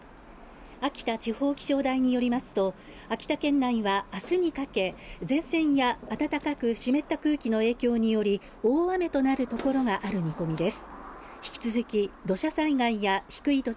秋田地方気象台によりますと、秋田県内はあすにかけ、前線や暖かく湿った空気の影響により、大雨となるところがある見込みです。